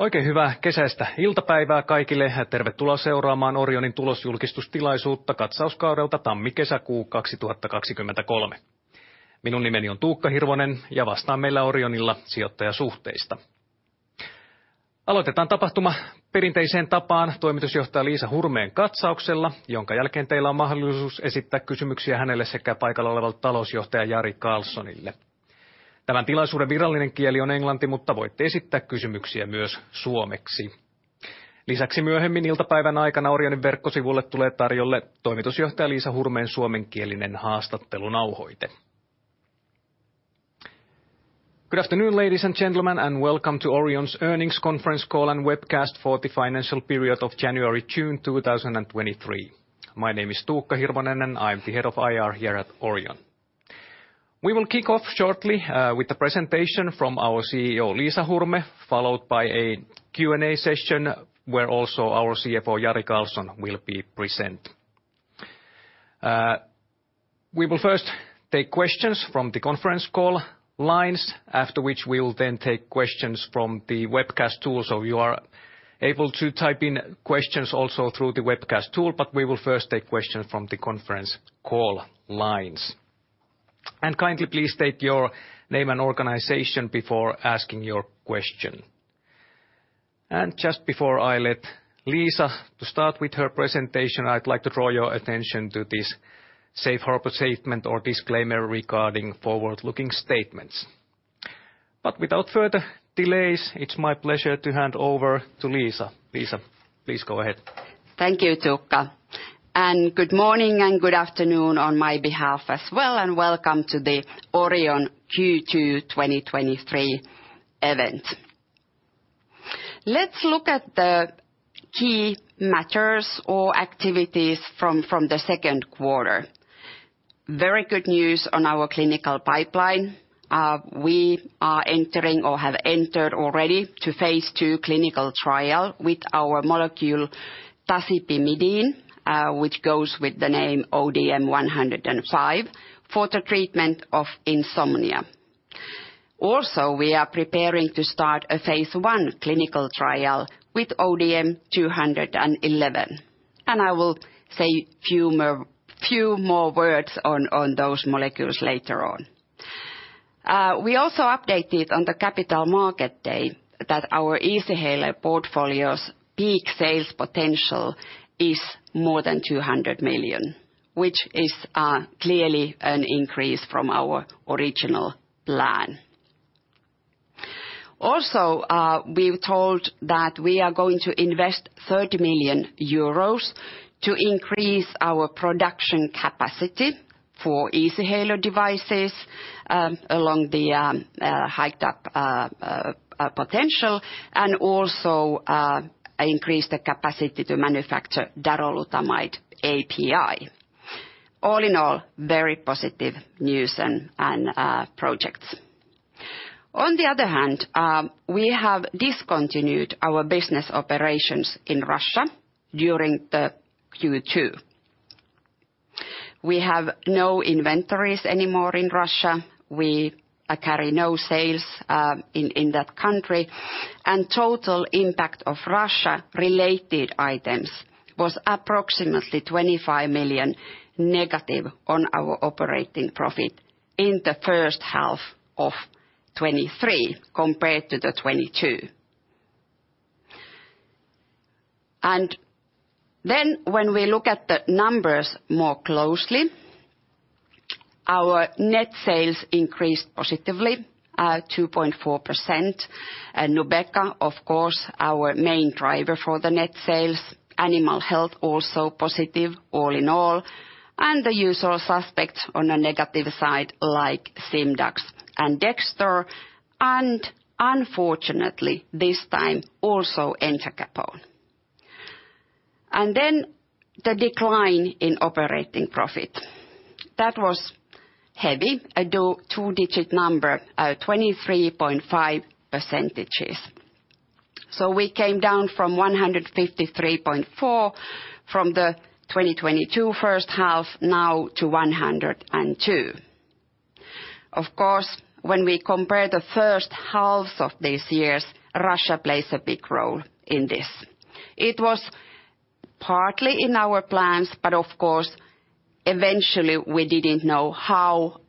Oikein hyvää kesäistä iltapäivää kaikille ja tervetuloa seuraamaan Orionin tulosjulkistustilaisuutta katsauskaudelta tammikesäkuu 2023. Minun nimeni on Tuukka Hirvonen ja vastaan meillä Orionilla sijoittajasuhteista. Aloitetaan tapahtuma perinteiseen tapaan toimitusjohtaja Liisa Hurmeen katsauksella, jonka jälkeen teillä on mahdollisuus esittää kysymyksiä hänelle sekä paikalla olevalle talousjohtaja Jari Karlsonille. Tämän tilaisuuden virallinen kieli on englanti, mutta voitte esittää kysymyksiä myös suomeksi. Lisäksi myöhemmin iltapäivän aikana Orionin verkkosivulle tulee tarjolle toimitusjohtaja Liisa Hurmeen suomenkielinen haastattelunauhoite. Good afternoon, ladies and gentlemen, welcome to Orion's earnings conference call and webcast for the financial period of January, June, 2023. My name is Tuukka Hirvonen, I'm the Head of IR here at Orion. We will kick off shortly with the presentation from our CEO, Liisa Hurme, followed by a Q&A session, where also our CFO, Jari Karlson, will be present. We will first take questions from the conference call lines, after which we will then take questions from the webcast tool. You are able to type in questions also through the webcast tool, but we will first take questions from the conference call lines. Kindly please state your name and organization before asking your question. Just before I let Liisa to start with her presentation, I'd like to draw your attention to this safe harbor statement or disclaimer regarding forward-looking statements. Without further delays, it's my pleasure to hand over to Liisa. Liisa, please go ahead. Thank you, Tuukka. Good morning and good afternoon on my behalf as well, and welcome to the Orion Q2 2023 event. Let's look at the key matters or activities from the second quarter. Very good news on our clinical pipeline. We are entering or have entered already to phase II clinical trial with our molecule tasipimidine, which goes with the name ODM-105, for the treatment of insomnia. Also, we are preparing to start a phase I clinical trial with ODM-211. I will say few more words on those molecules later on. We also updated on the Capital Markets Day that our Easyhaler portfolio's peak sales potential is more than 200 million, which is clearly an increase from our original plan. Also, we've told that we are going to invest 30 million euros to increase our production capacity for Easyhaler devices, along the hyped up potential, and also, increase the capacity to manufacture darolutamide API. All in all, very positive news and projects. On the other hand, we have discontinued our business operations in Russia during the Q2. We have no inventories anymore in Russia. We carry no sales in that country. Total impact of Russia-related items was approximately 25 million EUR negative on our operating profit in the first half of 2023 compared to the 2022. When we look at the numbers more closely, our net sales increased positively 2.4%, and NUBEQA, of course, our main driver for the net sales. Animal Health, also positive all in all, the usual suspects on the negative side, like Simdax and Dexdor, and unfortunately, this time, also entacapone. The decline in operating profit, that was heavy, a 2-digit number, 23.5%. We came down from 153.4 from the 2022 first half, now to 102. Of course, when we compare the first halves of these years, Russia plays a big role in this. It was partly in our plans, but of course, eventually, we didn't know how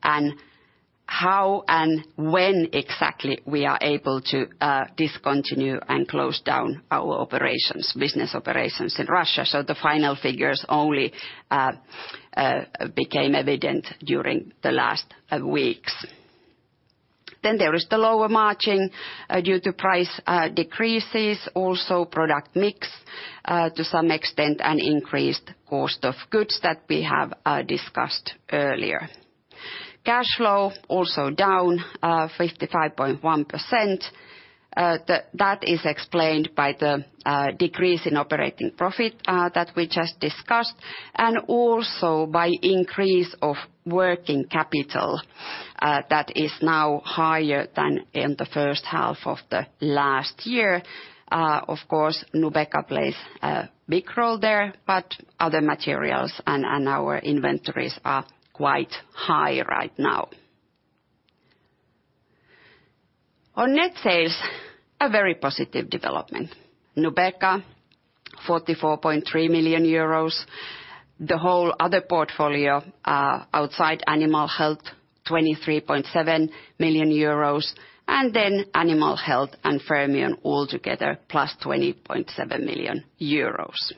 and when exactly we are able to discontinue and close down our operations, business operations in Russia. The final figures only became evident during the last weeks. There is the lower margin due to price decreases, also product mix to some extent, an increased cost of goods that we have discussed earlier. Cash flow also down 55.1%. That is explained by the decrease in operating profit that we just discussed, and also by increase of working capital that is now higher than in the first half of the last year. Of course, NUBEQA plays a big role there, but other materials and our inventories are quite high right now. On net sales, a very positive development. NUBEQA, 44.3 million euros. The whole other portfolio outside Animal Health, 23.7 million euros, and Animal Health and Fermion altogether, plus 20.7 million euros.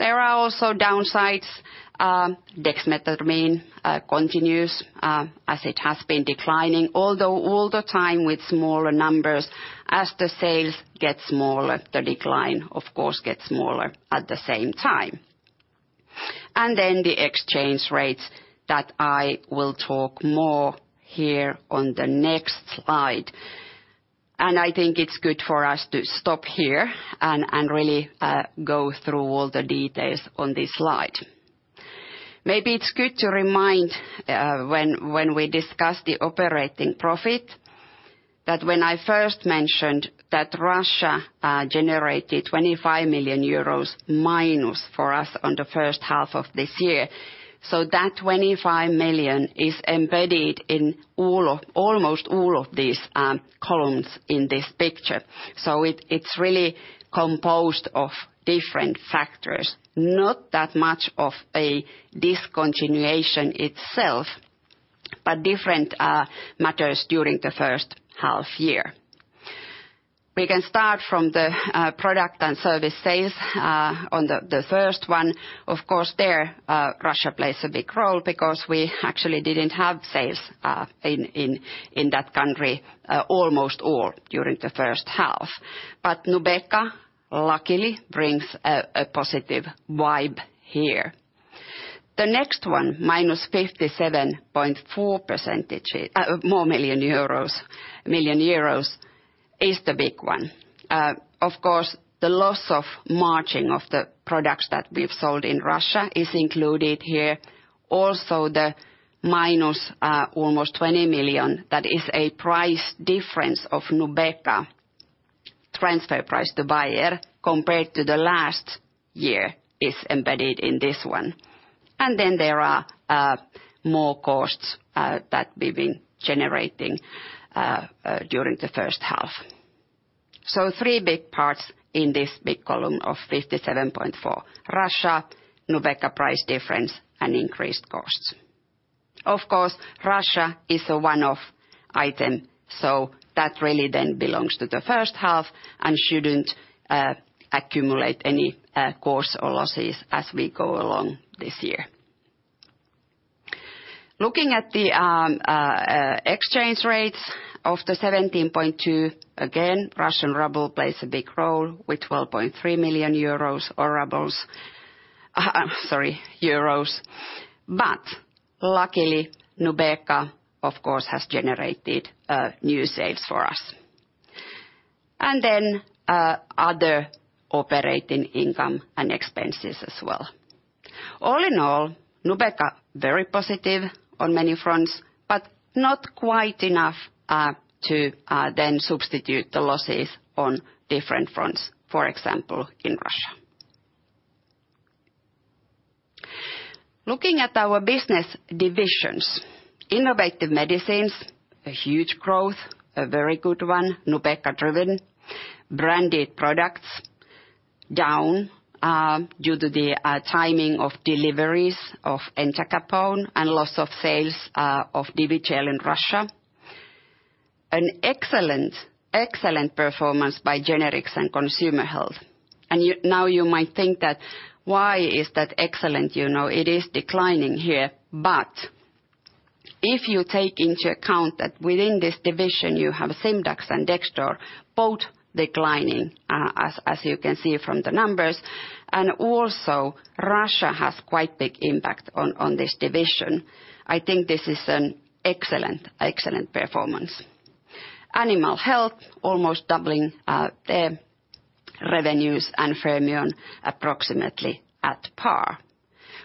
There are also downsides, dexmedetomidine continues as it has been declining, although all the time with smaller numbers. As the sales get smaller, the decline, of course, gets smaller at the same time. Then the exchange rates that I will talk more here on the next slide. I think it's good for us to stop here, and really go through all the details on this slide. Maybe it's good to remind when we discussed the operating profit, that when I first mentioned that Russia generated 25 million euros minus for us on the first half of this year, so that 25 million is embedded in almost all of these columns in this picture. It's really composed of different factors, not that much of a discontinuation itself, but different matters during the first half year. We can start from the product and service sales on the first one. Of course, there Russia plays a big role because we actually didn't have sales in that country almost all during the first half. NUBEQA luckily brings a positive vibe here. The next one, minus 57.4% more million euros, is the big one. Of course, the loss of margin of the products that we've sold in Russia is included here. Also, the minus almost 20 million, that is a price difference of NUBEQA transfer price to Bayer, compared to the last year, is embedded in this one. There are more costs that we've been generating during the first half. Three big parts in this big column of 57.4: Russia, NUBEQA price difference, and increased costs. Of course, Russia is a one-off item, so that really then belongs to the first half and shouldn't accumulate any costs or losses as we go along this year. Looking at the exchange rates of 17.2, again, Russian ruble plays a big role with 12.3 million euros or rubles... Sorry, euros. Luckily, NUBEQA, of course, has generated new sales for us, and other operating income and expenses as well. All in all, NUBEQA, very positive on many fronts, but not quite enough to then substitute the losses on different fronts, for example, in Russia. Looking at our business divisions, Innovative Medicines, a huge growth, a very good one, NUBEQA-driven. Branded products, down, due to the timing of deliveries of entacapone and loss of sales of Divigel in Russia. An excellent performance by Generics and Consumer Health. Now, you might think that why is that excellent, you know, it is declining here. If you take into account that within this division, you have Simdax and Dexdor both declining, as you can see from the numbers, and also Russia has quite big impact on this division, I think this is an excellent performance. Animal Health, almost doubling their revenues, and Fermion approximately at par.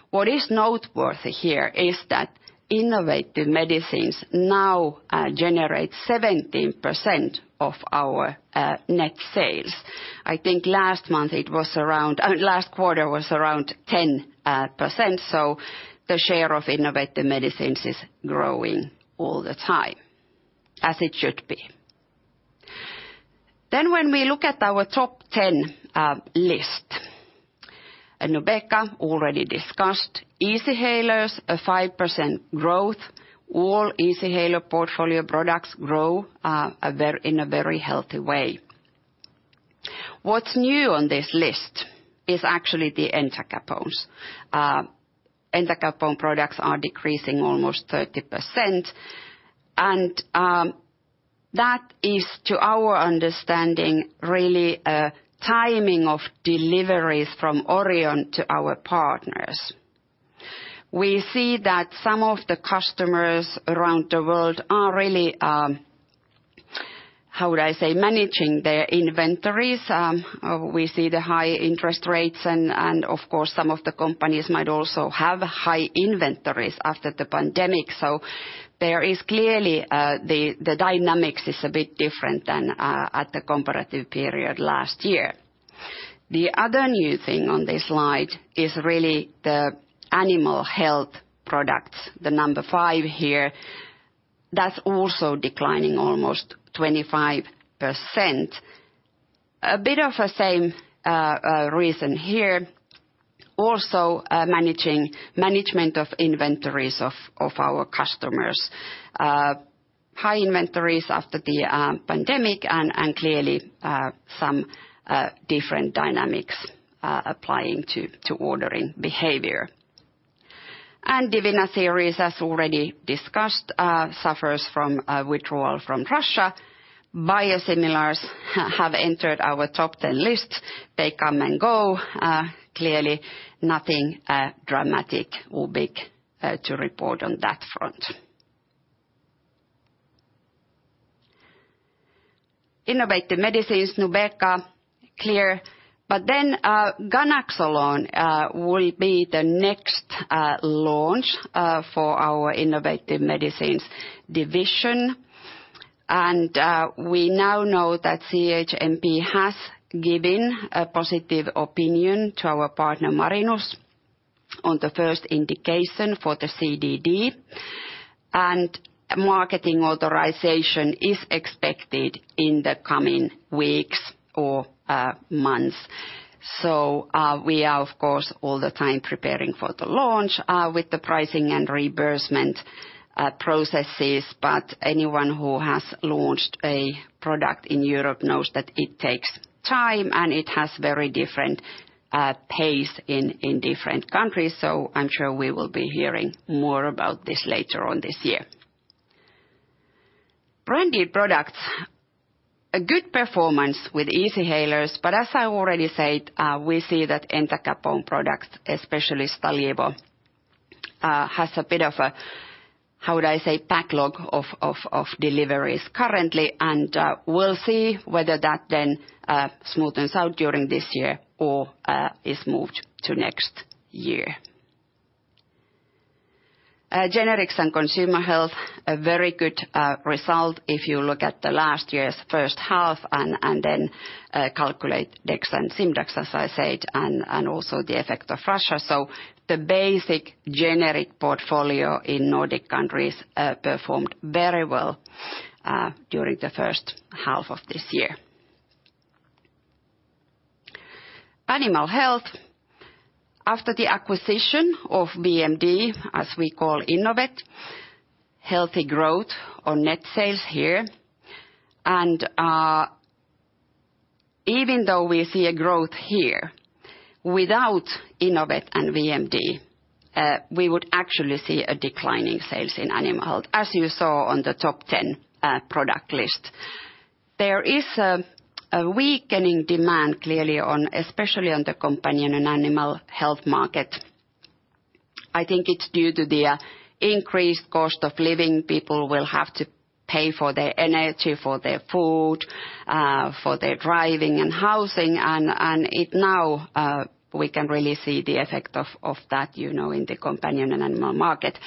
What is noteworthy here is that Innovative Medicines now generate 17% of our net sales. I think last month, it was around last quarter was around 10%, so the share of Innovative Medicines is growing all the time, as it should be. When we look at our top 10 list, and NUBEQA already discussed. Easyhalers, a 5% growth. All Easyhaler portfolio products grow in a very healthy way. What's new on this list is actually the entacapones. Entacapone products are decreasing almost 30%, and that is, to our understanding, really a timing of deliveries from Orion to our partners. We see that some of the customers around the world are really, how would I say, managing their inventories. We see the high interest rates, and of course, some of the companies might also have high inventories after the pandemic. There is clearly the dynamics is a bit different than at the comparative period last year. The other new thing on this slide is really the Animal Health products, the number 5 here, that's also declining almost 25%. A bit of a same reason here, also management of inventories of our customers. High inventories after the pandemic and clearly some different dynamics applying to ordering behavior. Divina series, as already discussed, suffers from a withdrawal from Russia. Biosimilars have entered our top 10 list. They come and go, clearly nothing dramatic or big to report on that front. Innovative Medicines, NUBEQA, clear, but then ganaxolone will be the next launch for our Innovative Medicines division. We now know that CHMP has given a positive opinion to our partner, Marinus, on the first indication for the CDD, and marketing authorization is expected in the coming weeks or months. We are, of course, all the time preparing for the launch with the pricing and reimbursement processes, but anyone who has launched a product in Europe knows that it takes time, and it has very different pace in different countries. I'm sure we will be hearing more about this later on this year. Branded products, a good performance with Easyhalers, but as I already said, we see that entacapone products, especially Stalevo, has a bit of a, how would I say, backlog of deliveries currently, and we'll see whether that then smoothens out during this year or is moved to next year. Generics and consumer health, a very good result if you look at the last year's first half and then calculate Dex and Simdax, as I said, and also the effect of Russia. The basic generic portfolio in Nordic countries performed very well during the first half of this year. Animal Health, after the acquisition of VMD, as we call Inovet, healthy growth on net sales here. Even though we see a growth here, without Inovet and VMD, we would actually see a decline in sales in Animal Health, as you saw on the top 10 product list. There is a weakening demand, clearly on, especially on the companion and Animal Health market. I think it's due to the increased cost of living. People will have to pay for their energy, for their food, for their driving and housing, and it now, we can really see the effect of that, you know, in the companion and animal market.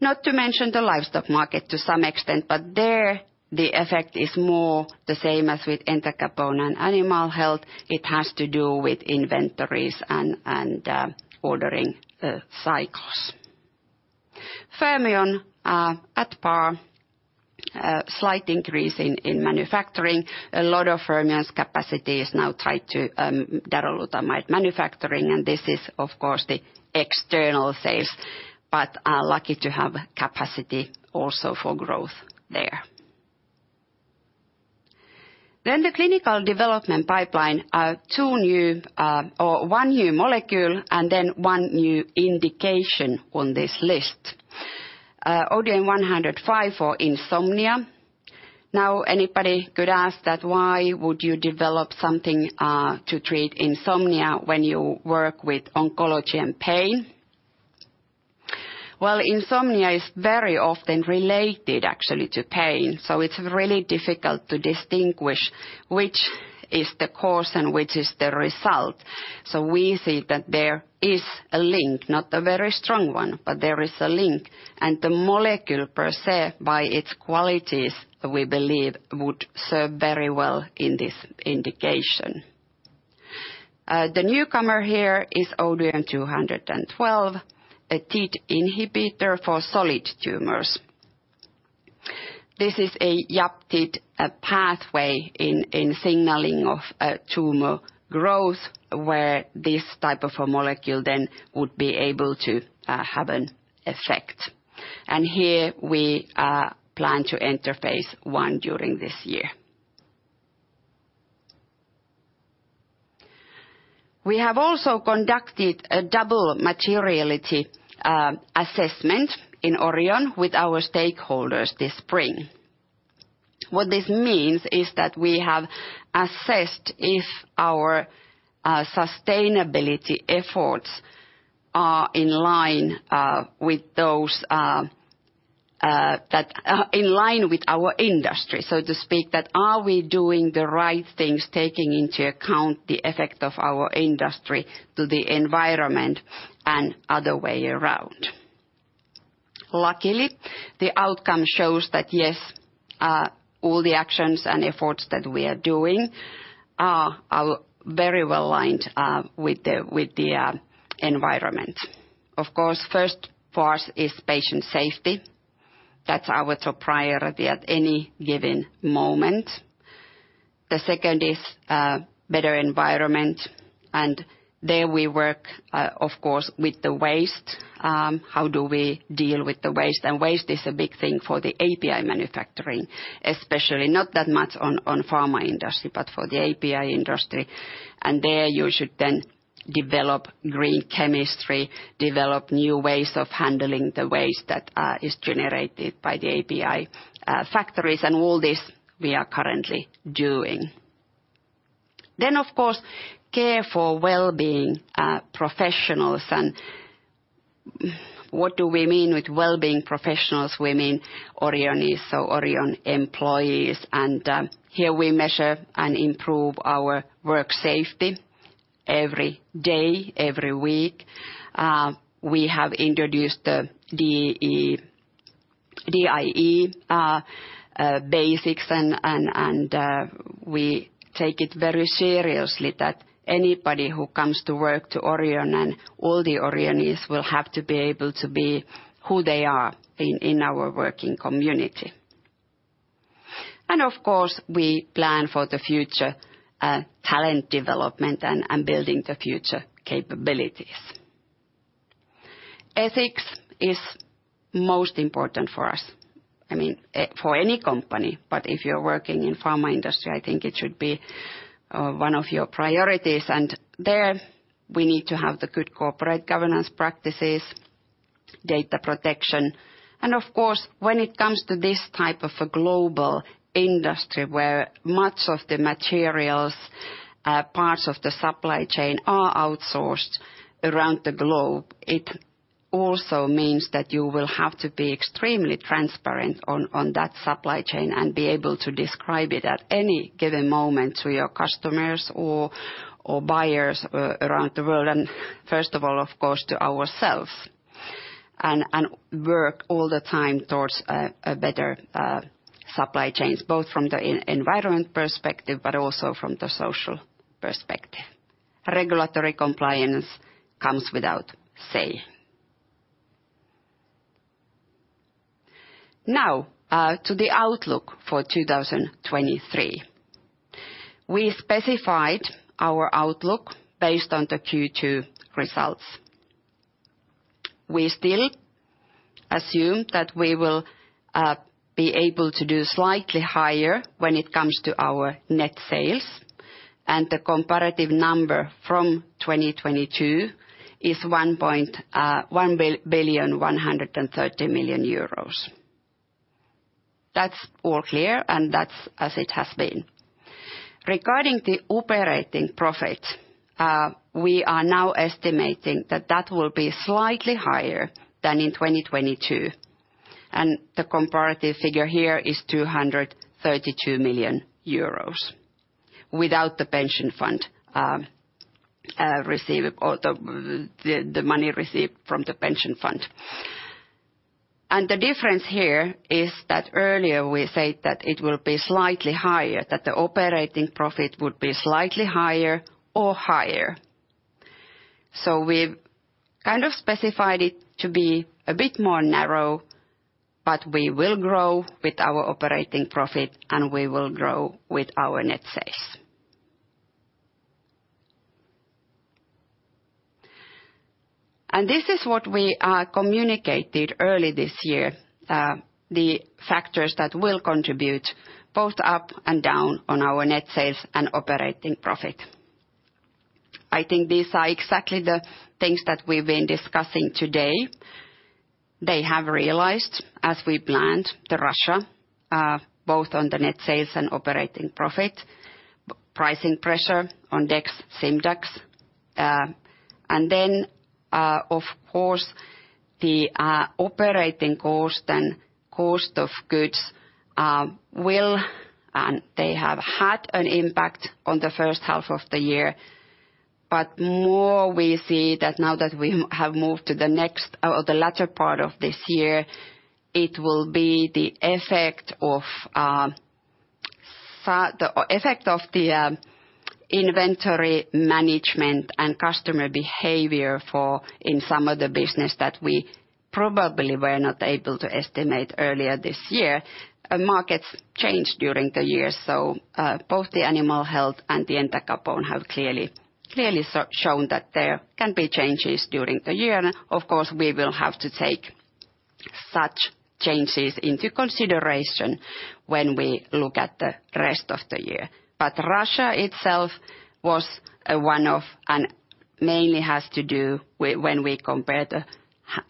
Not to mention the livestock market to some extent, but there, the effect is more the same as with entacapone and Animal Health. It has to do with inventories and ordering cycles. Fermion at par, slight increase in manufacturing. A lot of Fermion's capacity is now tied to darolutamide manufacturing, and this is, of course, the external sales, but are lucky to have capacity also for growth there. The clinical development pipeline, two new or one new molecule and then one new indication on this list. ODM-105 for insomnia. Anybody could ask that why would you develop something to treat insomnia when you work with oncology and pain? Insomnia is very often related, actually, to pain, so it's really difficult to distinguish which is the cause and which is the result. We see that there is a link, not a very strong one, but there is a link, and the molecule per se, by its qualities, we believe, would serve very well in this indication. The newcomer here is ODM-212, a TEAD inhibitor for solid tumors. This is a YAP/TEAD, a pathway in signaling of a tumor growth, where this type of a molecule then would be able to have an effect. Here we plan to enter phase I during this year. We have also conducted a double materiality assessment in Orion with our stakeholders this spring. What this means is that we have assessed if our sustainability efforts are in line with those that are in line with our industry, so to speak, that are we doing the right things, taking into account the effect of our industry to the environment and other way around? Luckily, the outcome shows that, yes, all the actions and efforts that we are doing are very well aligned with the environment. Of course, first for us is patient safety. That's our top priority at any given moment. The second is better environment, and there we work, of course, with the waste. How do we deal with the waste? Waste is a big thing for the API manufacturing, especially, not that much on pharma industry, but for the API industry. There, you should then develop green chemistry, develop new ways of handling the waste that is generated by the API factories, and all this we are currently doing. Of course, care for wellbeing professionals. What do we mean with wellbeing professionals? We mean Orionees, so Orion employees, here we measure and improve our work safety every day, every week. We have introduced the DEI basics, we take it very seriously that anybody who comes to work to Orion and all the Orionees will have to be able to be who they are in our working community. Of course, we plan for the future, talent development and building the future capabilities. Ethics is most important for us. I mean, for any company, but if you're working in pharma industry, I think it should be one of your priorities, and there we need to have the good corporate governance practices, data protection. Of course, when it comes to this type of a global industry, where much of the materials, parts of the supply chain are outsourced around the globe, it also means that you will have to be extremely transparent on that supply chain and be able to describe it at any given moment to your customers or buyers around the world, and first of all, of course, to ourselves, and work all the time towards a better supply chains, both from the environment perspective, but also from the social perspective. Regulatory compliance comes without say. Now, to the outlook for 2023. We specified our outlook based on the Q2 results. We still assume that we will be able to do slightly higher when it comes to our net sales, and the comparative number from 2022 is 1.130 billion. That's all clear, and that's as it has been. Regarding the operating profit, we are now estimating that that will be slightly higher than in 2022, and the comparative figure here is 232 million euros, without the pension fund receive or the money received from the pension fund. The difference here is that earlier we said that it will be slightly higher, that the operating profit would be slightly higher or higher. We've kind of specified it to be a bit more narrow, but we will grow with our operating profit, and we will grow with our net sales. This is what we communicated early this year, the factors that will contribute both up and down on our net sales and operating profit. I think these are exactly the things that we've been discussing today. They have realized, as we planned, the Russia, both on the net sales and operating profit, pricing pressure on Dex, Simdax, and then, of course, the operating cost and cost of goods will. They have had an impact on the first half of the year. More we see that now that we have moved to the next or the latter part of this year, it will be the effect of the inventory management and customer behavior for, in some of the business, that we probably were not able to estimate earlier this year. Markets change during the year, so both the Animal Health and the entacapone have clearly shown that there can be changes during the year. Of course, we will have to take such changes into consideration when we look at the rest of the year. Russia itself was a one of, and mainly has to do when we compare the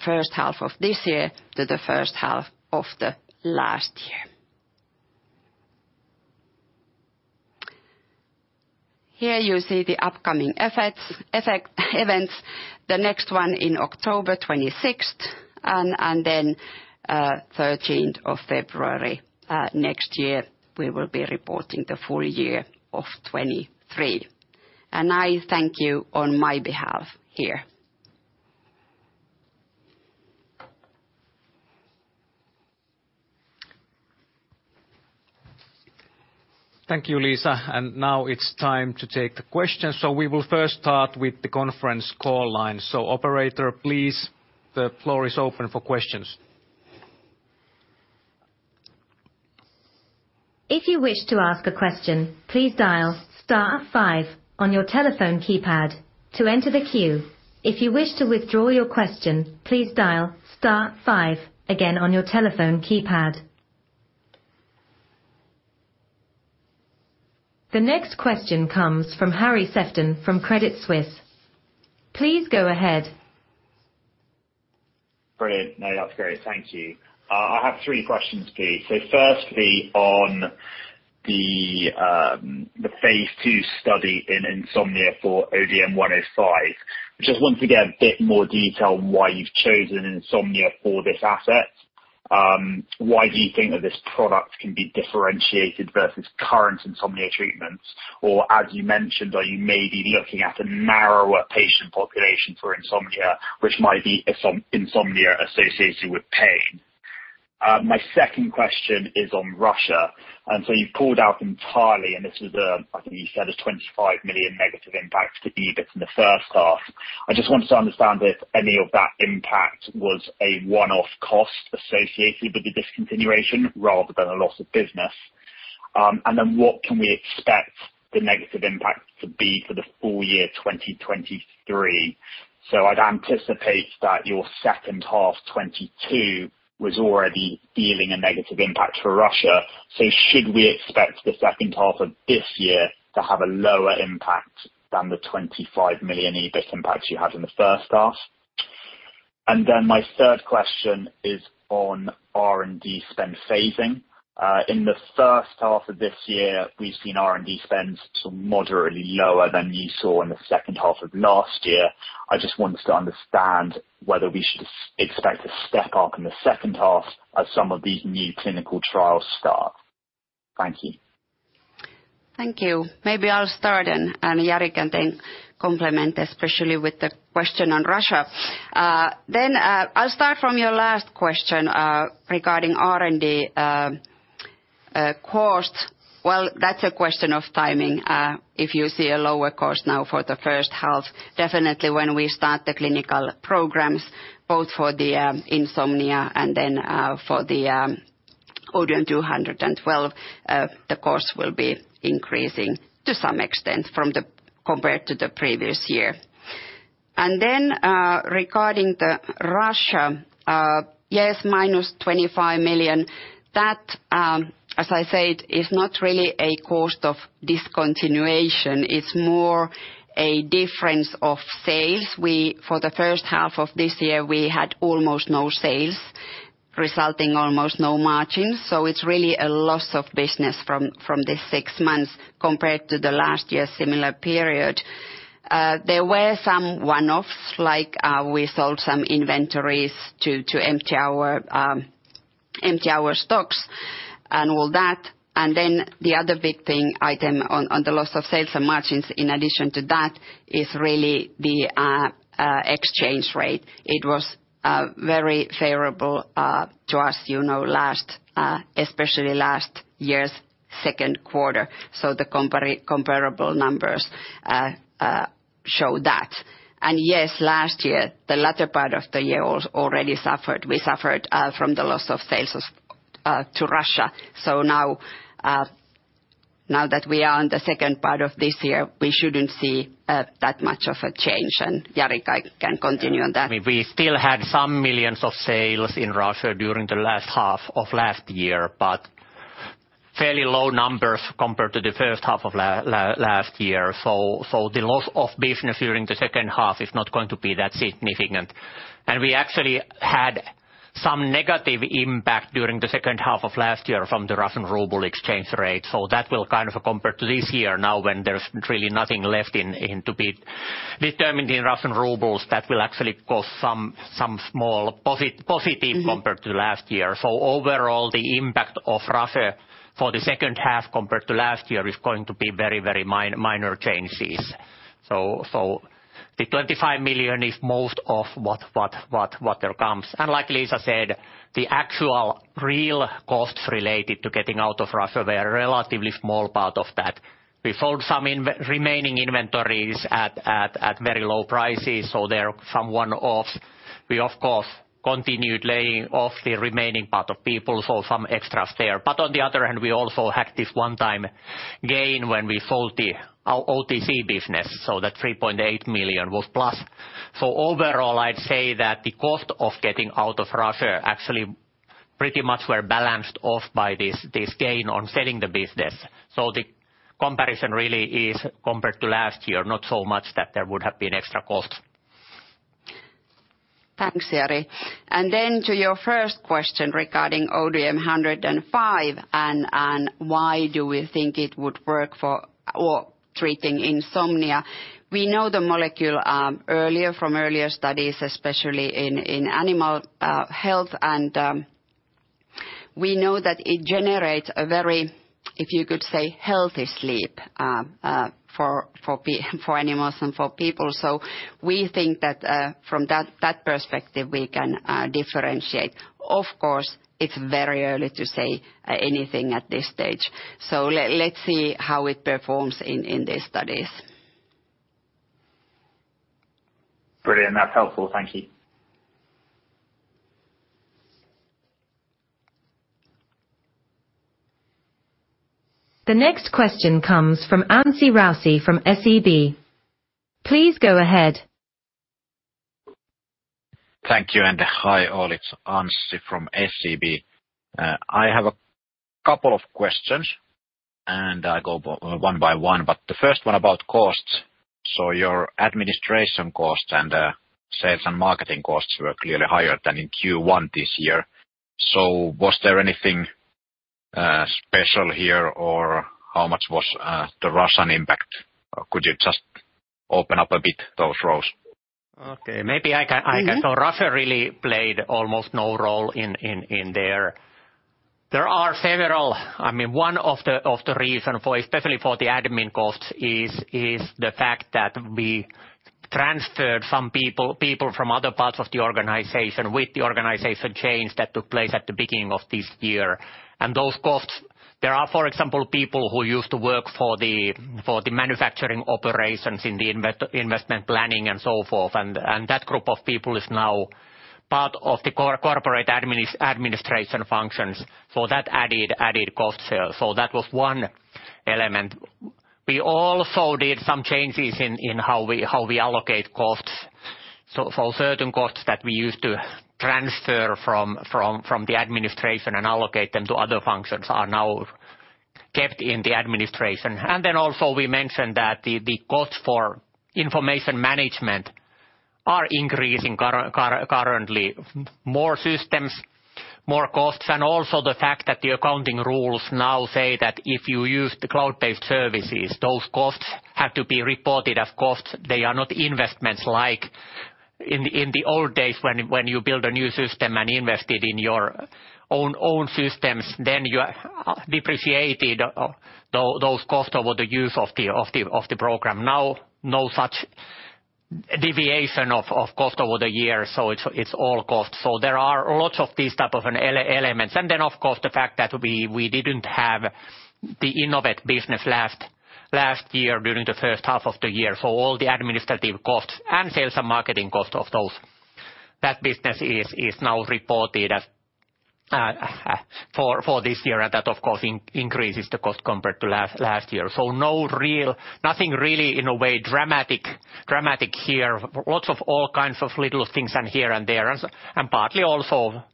first half of this year to the first half of the last year. Here you see the upcoming effects, events, the next one in October 26th, and then 13th of February next year, we will be reporting the full year of 2023. I thank you on my behalf here. Thank you, Liisa. Now it's time to take the questions. We will first start with the conference call line. Operator, please, the floor is open for questions. If you wish to ask a question, please dial star five on your telephone keypad to enter the queue. If you wish to withdraw your question, please dial star five again on your telephone keypad. The next question comes from Harry Sefton from Credit Suisse. Please go ahead. Great. No, that's great, thank you. I have three questions, please. Firstly, on the phase II study in insomnia for ODM-105. Just once again, a bit more detail on why you've chosen insomnia for this asset. Why do you think that this product can be differentiated versus current insomnia treatments? As you mentioned, are you maybe looking at a narrower patient population for insomnia, which might be insomnia associated with pain. My second question is on Russia. You've pulled out entirely. This is, I think you said, a 25 million negative impact to EBIT in the first half. I just wanted to understand if any of that impact was a one-off cost associated with the discontinuation rather than a loss of business. What can we expect the negative impact to be for the full year 2023? I'd anticipate that your second half 2022 was already dealing a negative impact for Russia, should we expect the second half of this year to have a lower impact than the 25 million EBIT impact you had in the first half? My third question is on R&D spend phasing. In the first half of this year, we've seen R&D spends to moderately lower than you saw in the second half of last year. I just wanted to understand whether we should expect a step up in the second half as some of these new clinical trials start. Thank you. Thank you. Maybe I'll start, Jari can complement, especially with the question on Russia. I'll start from your last question regarding R&D cost. Well, that's a question of timing. If you see a lower cost now for the first half, definitely when we start the clinical programs, both for the insomnia and for the ODM-212, the cost will be increasing to some extent compared to the previous year. Regarding the Russia, yes, minus 25 million, that, as I said, is not really a cost of discontinuation, it's more a difference of sales. For the first half of this year, we had almost no sales, resulting almost no margins, so it's really a loss of business from this six months compared to the last year's similar period. There were some one-offs, like, we sold some inventories to empty our empty our stocks and all that. The other big thing, item on the loss of sales and margins in addition to that, is really the exchange rate. It was very favorable to us, you know, last, especially last year's second quarter, so the comparable numbers show that. Yes, last year, the latter part of the year already suffered. We suffered from the loss of sales to Russia. Now, now that we are on the second part of this year, we shouldn't see that much of a change, and Jari can continue on that. We still had some millions of sales in Russia during the last half of last year, but fairly low numbers compared to the first half of last year. The loss of business during the second half is not going to be that significant. We actually had some negative impact during the second half of last year from the Russian ruble exchange rate. That will kind of compare to this year now, when there's really nothing left in to be determined in Russian rubles, that will actually cause some small posit-positive- Mm-hmm compared to last year. Overall, the impact of Russia for the second half compared to last year is going to be very minor changes. The 25 million is most of what there comes. Like Liisa said, the actual real costs related to getting out of Russia were a relatively small part of that. We sold some remaining inventories at very low prices, so they're from one off. We, of course, continued laying off the remaining part of people, so some extras there. On the other hand, we also had this one-time gain when we sold our OTC business, so that 3.8 million was plus. Overall, I'd say that the cost of getting out of Russia actually pretty much were balanced off by this gain on selling the business. The comparison really is compared to last year, not so much that there would have been extra costs. Thanks, Yari. To your first question regarding ODM-105, and why do we think it would work for treating insomnia? We know the molecule earlier, from earlier studies, especially in Animal Health. We know that it generates a very, if you could say, healthy sleep for animals and for people. We think that from that perspective, we can differentiate. Of course, it's very early to say anything at this stage, so let's see how it performs in the studies. Brilliant, that's helpful. Thank you. The next question comes from Anssi Raussi from SEB. Please go ahead. Thank you, and hi, all. It's Anssi from SEB. I have a couple of questions, and I go one by one, but the first one about costs. Your administration costs and sales and marketing costs were clearly higher than in Q1 this year. Was there anything special here, or how much was the Russian impact? Could you just open up a bit those rows? Okay, maybe I can. Mm-hmm. Russia really played almost no role in there. There are, I mean, one of the reason for, especially for the admin costs, is the fact that we transferred some people from other parts of the organization with the organization change that took place at the beginning of this year. Those costs, there are, for example, people who used to work for the manufacturing operations in the investment planning and so forth, and that group of people is now part of the corporate administration functions, so that added cost share. That was one element. We also did some changes in how we allocate costs. For certain costs that we used to transfer from the administration and allocate them to other functions are now kept in the administration. Also we mentioned that the costs for information management are increasing currently. More systems, more costs, and also the fact that the accounting rules now say that if you use the cloud-based services, those costs have to be reported as costs. They are not investments like in the old days, when you build a new system and invested in your own systems, then you depreciated those costs over the use of the program. Now, no such deviation of cost over the years, so it's all cost. There are lots of these type of elements, and then, of course, the fact that we didn't have the Innovative Medicines business last year during the first half of the year. All the administrative costs and sales and marketing costs of those, that business is now reported as for this year, and that, of course, increases the cost compared to last year. Nothing really, in a way, dramatic here. Lots of all kinds of little things and here and there, and partly also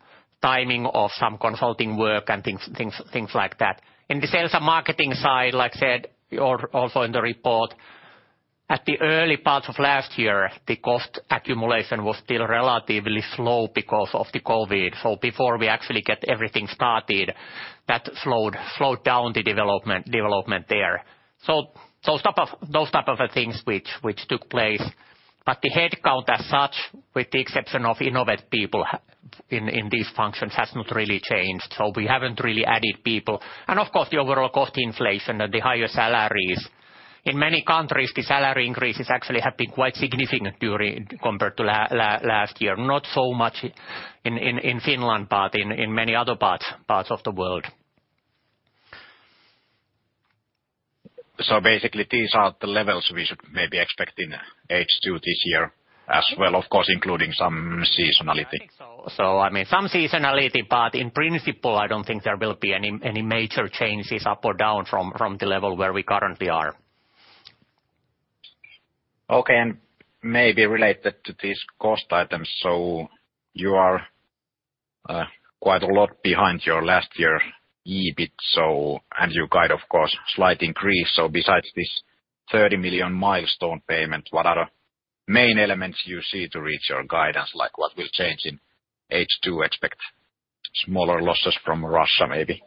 timing of some consulting work and things like that. In the sales and marketing side, like I said, or also in the report, at the early parts of last year, the cost accumulation was still relatively slow because of the COVID. Before we actually get everything started, that slowed down the development there. those type of things which took place, but the headcount as such, with the exception of Inovet people in these functions, has not really changed, so we haven't really added people. Of course, the overall cost inflation and the higher salaries. In many countries, the salary increases actually have been quite significant during. Compared to last year. Not so much in Finland, but in many other parts of the world. Basically, these are the levels we should maybe expect in H2 this year as well, of course, including some seasonality? I think so. I mean, some seasonality in principle, I don't think there will be any major changes up or down from the level where we currently are. Maybe related to these cost items, you are quite a lot behind your last year's EBIT, and you guide, of course, slight increase. Besides this 30 million milestone payment, what are the main elements you see to reach your guidance? Like, what will change in H2? Expect smaller losses from Russia, maybe.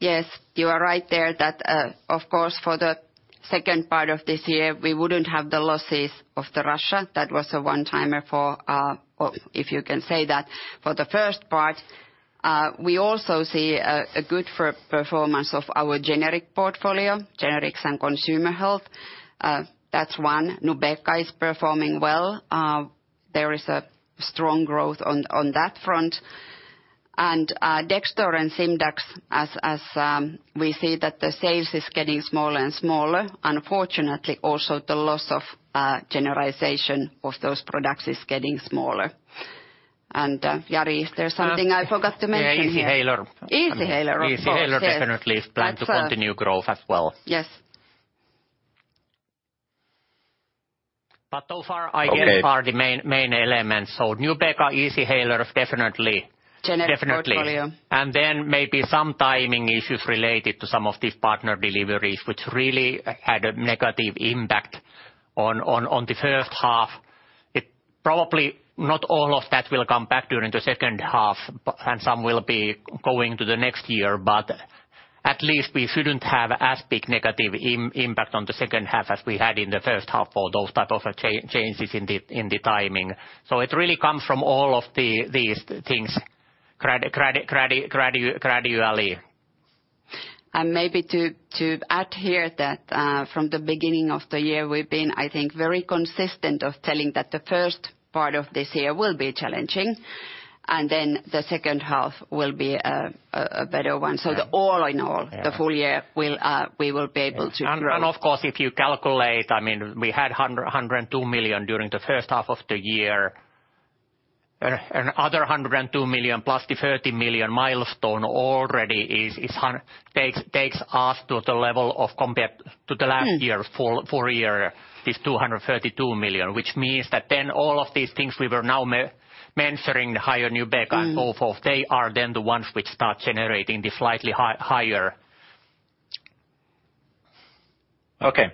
You are right there that, of course, for the second part of this year, we wouldn't have the losses of the Russia. That was a one-timer for, well, if you can say that. For the first part, we also see a good performance of our generic portfolio, generics and consumer health. That's one. NUBEQA is performing well. There is a strong growth on that front. Dexdor and Simdax, as we see that the sales is getting smaller and smaller, unfortunately, also the loss of generalization of those products is getting smaller. Jari, is there something I forgot to mention here? Yeah, Easyhaler. Easyhaler, of course, yes. Easyhaler definitely is planned to continue growth as well. Yes. Far. Okay... are the main elements. NUBEQA, Easyhaler. Generic portfolio... definitely. Then maybe some timing issues related to some of these partner deliveries, which really had a negative impact on the first half. It probably not all of that will come back during the second half, and some will be going to the next year. At least we shouldn't have as big negative impact on the second half as we had in the first half for those type of changes in the timing. It really comes from all of these things, gradually. Maybe to add here that, from the beginning of the year, we've been, I think, very consistent of telling that the first part of this year will be challenging, and then the second half will be a better one. Yeah. The full year will, we will be able to grow. Of course, if you calculate, I mean, we had 102 million during the first half of the year. another 102 million plus the 30 million milestone already takes us to the level of compare to the last year, full year. Mm. This 232 million. Which means that all of these things we were now mentioning, the higher NUBEQA. Mm. So forth, they are then the ones which start generating the slightly higher. Okay,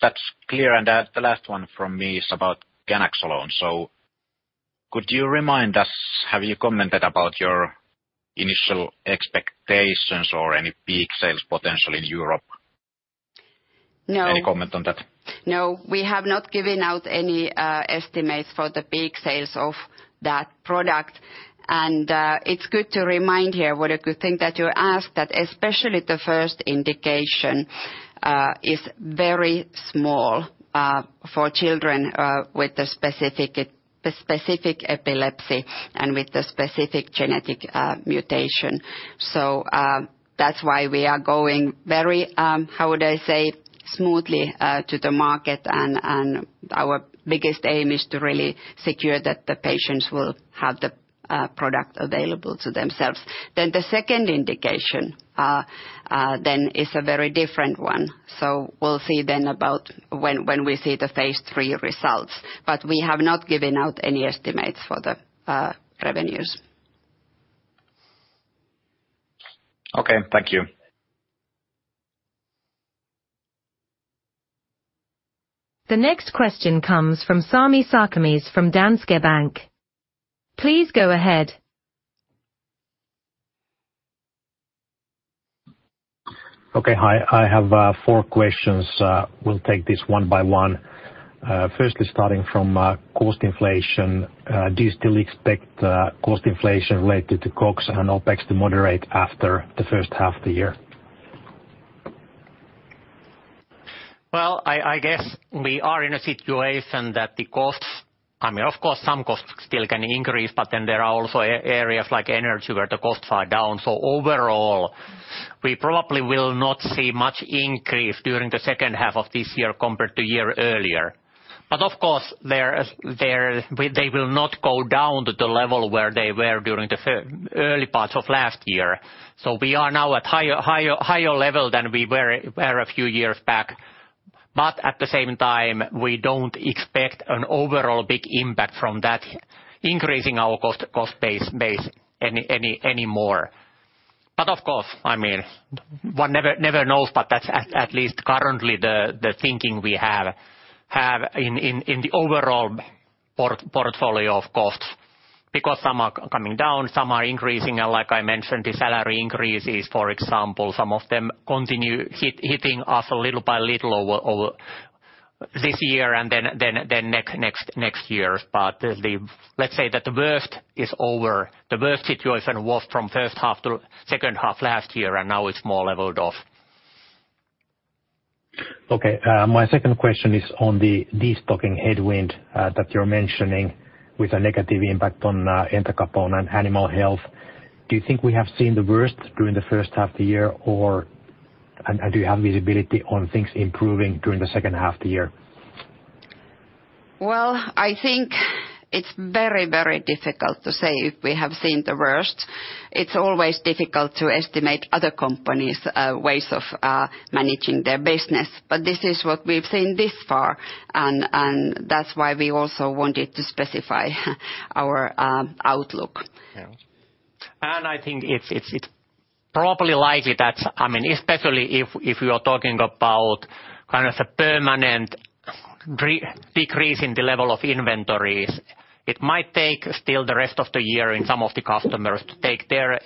that's clear. The last one from me is about ganaxolone. Could you remind us, have you commented about your initial expectations or any peak sales potential in Europe? No. Any comment on that? No, we have not given out any estimates for the peak sales of that product. It's good to remind here, what a good thing that you ask that, especially the first indication is very small for children with the specific epilepsy and with the specific genetic mutation. That's why we are going very, how would I say? Smoothly to the market, and our biggest aim is to really secure that the patients will have the product available to themselves. The second indication is a very different one. We'll see then about when we see the phase III results, but we have not given out any estimates for the revenues. Okay, thank you. The next question comes from Sami Sarkamies from Danske Bank. Please go ahead. Okay. Hi, I have four questions. We'll take this one by one. Firstly, starting from cost inflation. Do you still expect cost inflation related to COGS and OpEx to moderate after the first half of the year? I guess we are in a situation that the costs. I mean, of course, some costs still can increase, but then there are also areas like energy, where the costs are down. Overall, we probably will not see much increase during the second half of this year compared to year earlier. Of course, there is, they will not go down to the level where they were during the early parts of last year. We are now at higher, higher level than we were a few years back. At the same time, we don't expect an overall big impact from that, increasing our cost base anymore. Of course, I mean, one never knows, but that's at least currently the thinking we have in the overall portfolio of costs, because some are coming down, some are increasing. Like I mentioned, the salary increases, for example, some of them continue hitting us little by little over this year and then next year. The, let's say that the worst is over. The worst situation was from first half to second half last year, and now it's more leveled off. Okay, my second question is on the destocking headwind, that you're mentioning, with a negative impact on, entacapone and Animal Health. Do you think we have seen the worst during the first half of the year, or... And do you have visibility on things improving during the second half of the year? I think it's very, very difficult to say if we have seen the worst. It's always difficult to estimate other companies' ways of managing their business, but this is what we've seen this far, and that's why we also wanted to specify our outlook. Yeah. I think it's probably likely that, I mean, especially if you are talking about kind of a permanent decrease in the level of inventories, it might take still the rest of the year in some of the customers to take their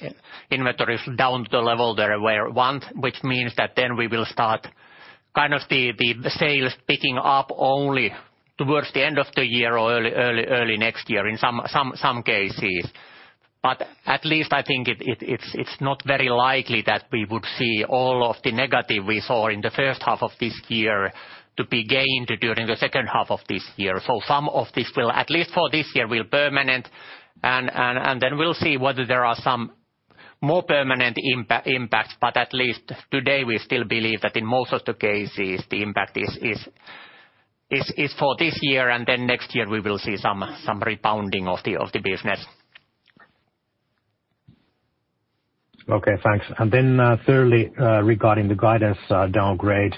inventories down to the level they want, which means that then we will start kind of the sales picking up only towards the end of the year or early next year in some cases. At least I think it's not very likely that we would see all of the negative we saw in the first half of this year to be gained during the second half of this year. Some of this will, at least for this year, will permanent, and then we'll see whether there are some more permanent impacts. At least today, we still believe that in most of the cases, the impact is for this year, and then next year we will see some rebounding of the business. Okay, thanks. Thirdly, regarding the guidance downgrade,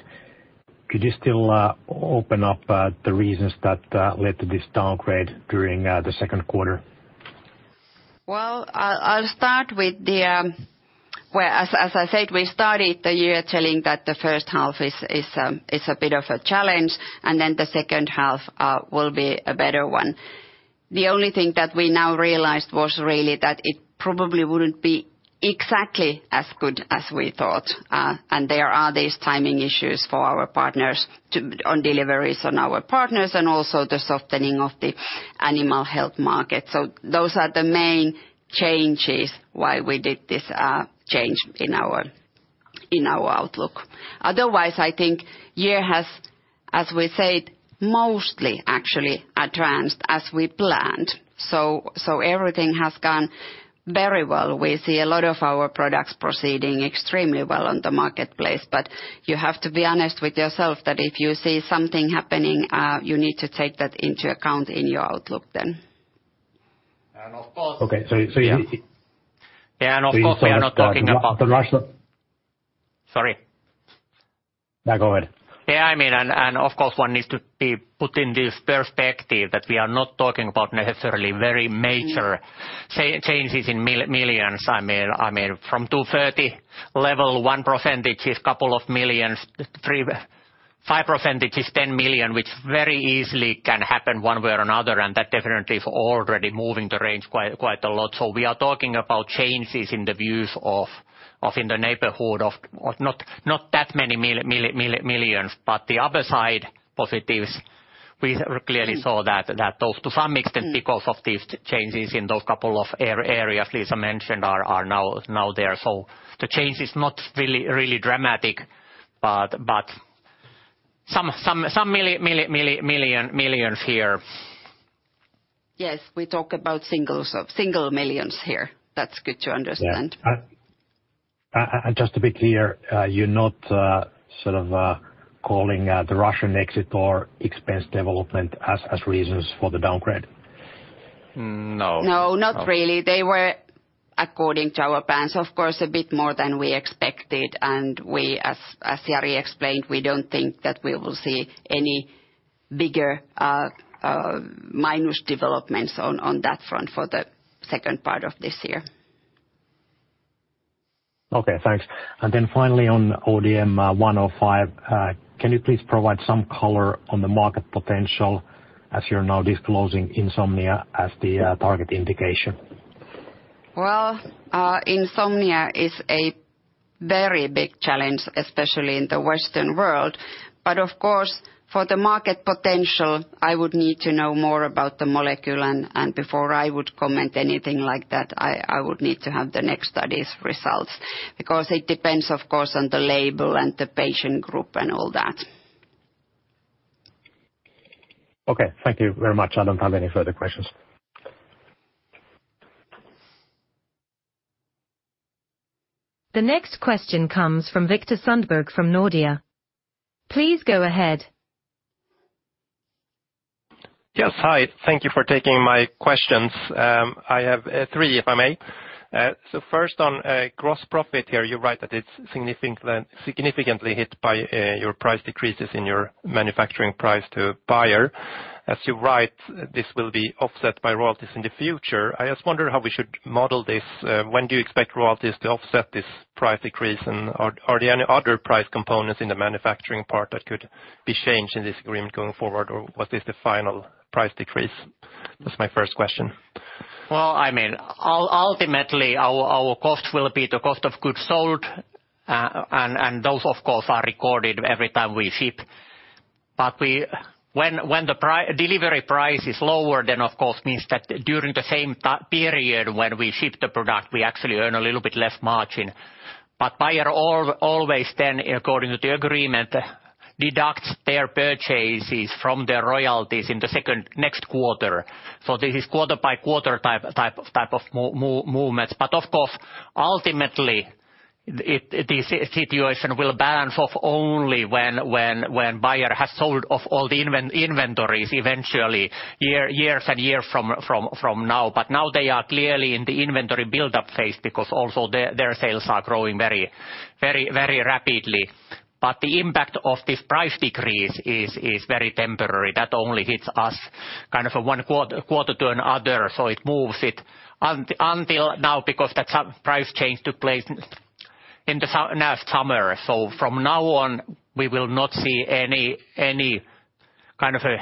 could you still open up the reasons that led to this downgrade during the second quarter? I'll start with the. As I said, we started the year telling that the first half is a bit of a challenge, and then the second half will be a better one. The only thing that we now realized was really that it probably wouldn't be exactly as good as we thought, and there are these timing issues for our partners to, on deliveries on our partners, and also the softening of the Animal Health market. Those are the main changes why we did this change in our outlook. Otherwise, I think year has, as we said, mostly actually advanced as we planned. Everything has gone very well. We see a lot of our products proceeding extremely well on the marketplace, but you have to be honest with yourself that if you see something happening, you need to take that into account in your outlook then. Of course. Okay, yeah. Yeah, of course, we are not talking. The Russia. Sorry. No, go ahead. Yeah, I mean, of course, one needs to be put in this perspective that we are not talking about necessarily very major changes in millions. I mean, from 230 level, 1% is a couple of millions, 3%-5% is 10 million, which very easily can happen one way or another, and that definitely is already moving the range quite a lot. We are talking about changes in the views of in the neighborhood of not that many millions, but the other side positives, we clearly saw that those to some extent, because of these changes in those couple of areas Liisa mentioned, are now there. The change is not really dramatic, but some millions here. Yes, we talk about single millions here. That's good to understand. Yeah. Just to be clear, you're not sort of calling the Russian exit or expense development as reasons for the downgrade? No. No, not really. They were according to our plans, of course, a bit more than we expected, and we, as Jari explained, we don't think that we will see any bigger minus developments on that front for the second part of this year. Okay, thanks. Then finally, on ODM-105, can you please provide some color on the market potential as you're now disclosing insomnia as the target indication? Well, insomnia is a very big challenge, especially in the Western world. Of course, for the market potential, I would need to know more about the molecule, and before I would comment anything like that, I would need to have the next study's results, because it depends, of course, on the label and the patient group and all that. Okay, thank you very much. I don't have any further questions. The next question comes from Viktor Sundberg, from Nordea. Please go ahead. Yes, hi. Thank you for taking my questions. I have three, if I may. First on gross profit here, you write that it's significantly hit by your price decreases in your manufacturing price to Bayer. As you write, this will be offset by royalties in the future. I just wonder how we should model this. When do you expect royalties to offset this price decrease? Are there any other price components in the manufacturing part that could be changed in this agreement going forward, or what is the final price decrease? That's my first question. Well, I mean, ultimately, our cost will be the cost of goods sold. Those, of course, are recorded every time we ship. When the delivery price is lower, then of course, means that during the same period when we ship the product, we actually earn a little bit less margin. Bayer always then, according to the agreement, deducts their purchases from their royalties in the second, next quarter. This is quarter by quarter type of movements. Of course, ultimately, the situation will balance off only when Bayer has sold off all the inventories, eventually, years and years from now. Now they are clearly in the inventory buildup phase because also their sales are growing very rapidly. The impact of this price decrease is very temporary. That only hits us kind of a one quarter to another, so it moves it until now, because that price change took place in the last summer. From now on, we will not see any kind of a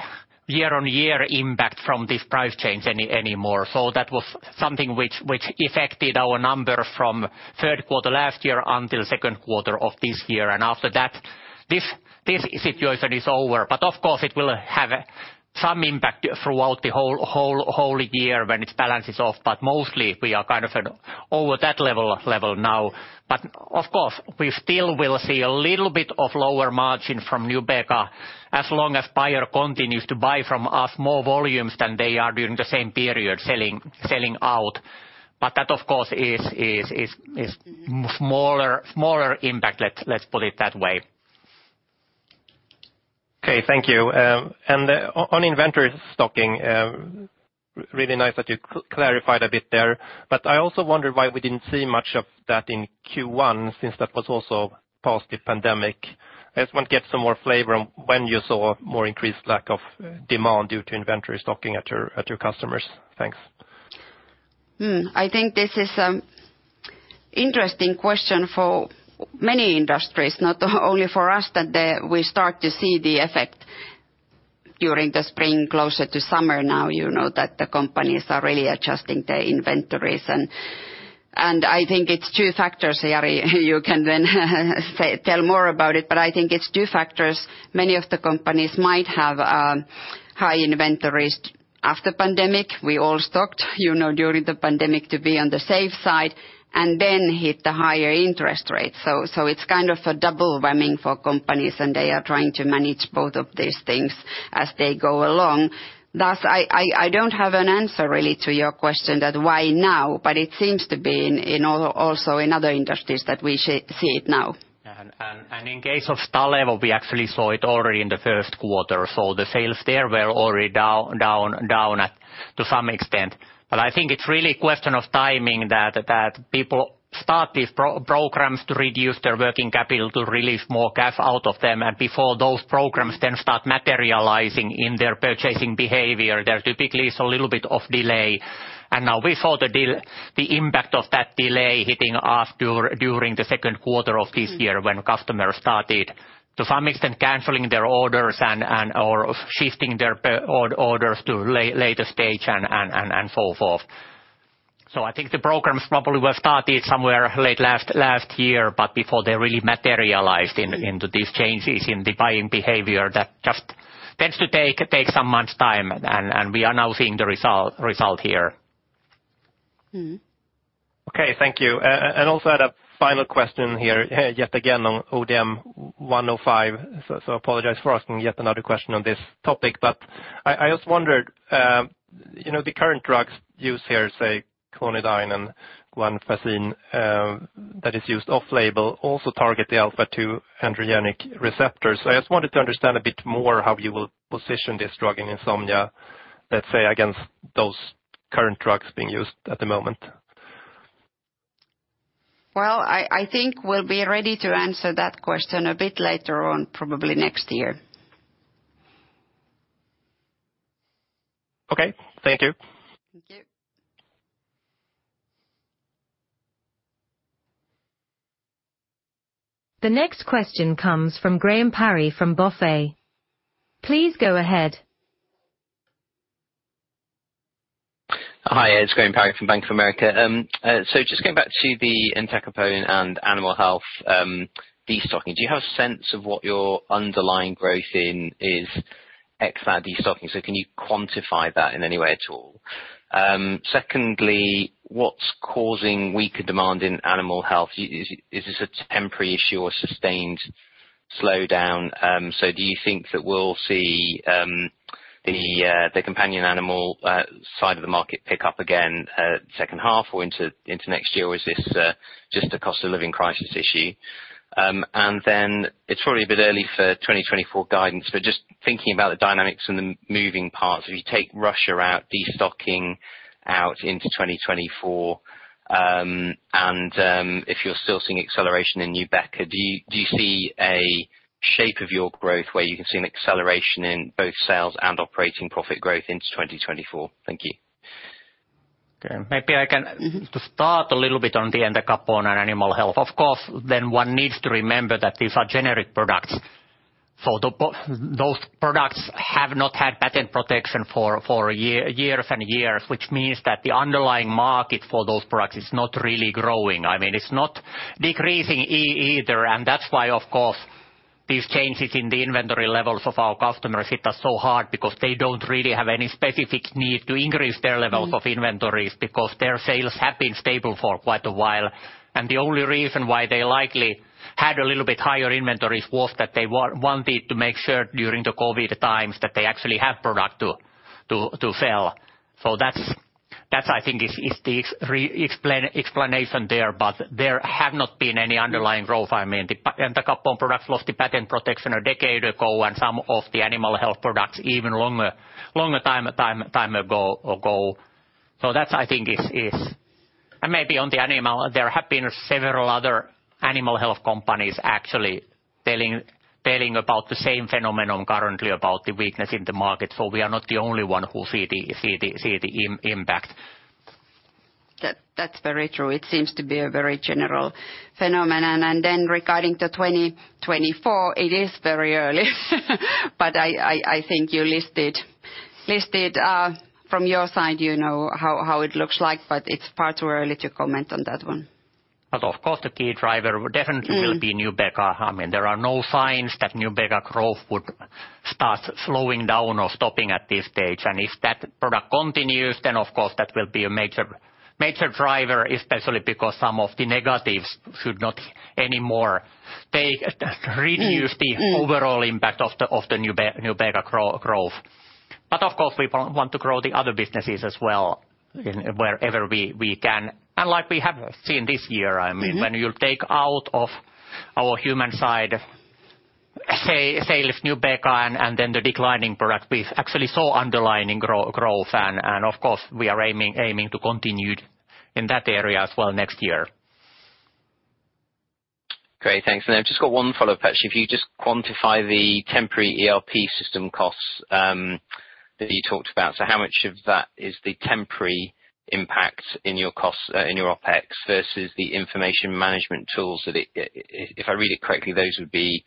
year-on-year impact from this price change anymore. That was something which affected our number from third quarter last year until second quarter of this year. After that, this situation is over. Of course, it will have some impact throughout the whole year when it balances off, but mostly we are kind of an over that level now. We still will see a little bit of lower margin from NUBEQA, as long as Bayer continues to buy from us more volumes than they are during the same period, selling out. That, of course, is smaller impact, let's put it that way. Okay, thank you. On inventory stocking, really nice that you clarified a bit there, but I also wondered why we didn't see much of that in Q1, since that was also post the pandemic. I just want to get some more flavor on when you saw more increased lack of demand due to inventory stocking at your customers. Thanks. I think this is interesting question for many industries, not only for us, that we start to see the effect during the spring, closer to summer now, you know that the companies are really adjusting their inventories. I think it's two factors here, Jari, you can then tell more about it, but I think it's two factors. Many of the companies might have high inventories after pandemic. We all stocked, you know, during the pandemic to be on the safe side, and then hit the higher interest rates. It's kind of a double whammy for companies, and they are trying to manage both of these things as they go along. I don't have an answer really to your question that why now, it seems to be in also in other industries that we see it now. In case of Stalevo, we actually saw it already in the first quarter, so the sales there were already down at to some extent. I think it's really a question of timing, that people start these programs to reduce their working capital to release more cash out of them, and before those programs then start materializing in their purchasing behavior, there typically is a little bit of delay. Now we saw the impact of that delay hitting us during the second quarter of this year. Mm. When customers started, to some extent, canceling their orders and/or shifting their orders to later stage and so forth. I think the programs probably were started somewhere late last year, but before they really materialized into these changes in the buying behavior, that just tends to take some months' time, and we are now seeing the result here. Mm-hmm. Okay, thank you. I had a final question here, yet again, on ODM-105, so apologize for asking yet another question on this topic. I just wondered, you know, the current drugs used here, say, clonidine and guanfacine, that is used off-label, also target the alpha-2 adrenergic receptors. I just wanted to understand a bit more how you will position this drug in insomnia, let's say, against those current drugs being used at the moment. Well, I think we'll be ready to answer that question a bit later on, probably next year. Okay. Thank you. Thank you. The next question comes from Graham Parry from BofA. Please go ahead. Hi, it's Graham Parry from Bank of America. Just going back to the entacapone and Animal Health destocking, do you have a sense of what your underlying growth in is X out destocking? Can you quantify that in any way at all? Secondly, what's causing weaker demand in Animal Health? Is this a temporary issue or a sustained slowdown? Do you think that we'll see the companion animal side of the market pick up again second half or into next year? Or is this just a cost of living crisis issue? Then it's probably a bit early for 2024 guidance, but just thinking about the dynamics and the moving parts, if you take Russia out, destocking out into 2024, if you're still seeing acceleration in NUBEQA, do you see a shape of your growth where you can see an acceleration in both sales and operating profit growth into 2024? Thank you. Maybe I can start a little bit on the entacapone on Animal Health. Of course, one needs to remember that these are generic products. Those products have not had patent protection for years and years, which means that the underlying market for those products is not really growing. I mean, it's not decreasing either, that's why, of course, these changes in the inventory levels of our customers hit us so hard because they don't really have any specific need to increase. Mm... levels of inventories, because their sales have been stable for quite a while. The only reason why they likely had a little bit higher inventories was that they wanted to make sure during the COVID times, that they actually have product to sell. That's, that's I think is the explanation there, but there have not been any underlying. Mm... growth. I mean, the entacapone products lost the patent protection a decade ago, and some of the Animal Health products, even longer time ago. That, I think, is. Maybe on the animal, there have been several other Animal Health companies actually telling about the same phenomenon currently about the weakness in the market, we are not the only one who see the impact. That's very true. It seems to be a very general phenomenon. Regarding to 2024, it is very early. I think you listed from your side, you know, how it looks like, but it's far too early to comment on that one. Of course, the key driver definitely- Mm will be NUBEQA. I mean, there are no signs that NUBEQA growth would start slowing down or stopping at this stage. If that product continues, of course, that will be a major driver, especially because some of the negatives should not anymore take. Mm, mm reduce the overall impact of the NUBEQA growth. Of course, we want to grow the other businesses as well, in wherever we can. Like we have seen this year, I mean. Mm-hmm... when you take out of our human side, sales, NUBEQA, and then the declining product, we've actually saw underlying growth, and of course, we are aiming to continue in that area as well next year. Great, thanks. I've just got one follow-up actually. If you just quantify the temporary ERP system costs, that you talked about. How much of that is the temporary impact in your costs, in your OpEx, versus the information management tools that if I read it correctly, those would be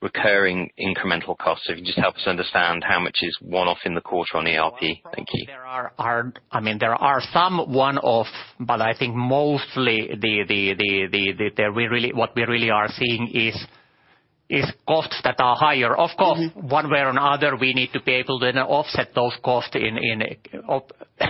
recurring incremental costs. If you can just help us understand how much is one-off in the quarter on ERP. Thank you. There are, I mean, there are some one-off, but I think mostly what we really are seeing is costs that are higher. Of course, one way or another, we need to be able to then offset those costs in